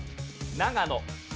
長野。